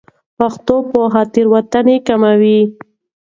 پښتو پوهه تېروتنې کموي.